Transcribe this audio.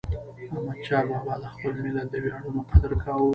احمدشاه بابا د خپل ملت د ویاړونو قدر کاوه.